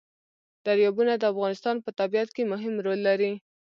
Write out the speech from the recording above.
دریابونه د افغانستان په طبیعت کې مهم رول لري.